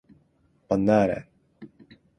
Banana